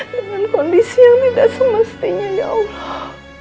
dengan kondisi yang tidak semestinya ya allah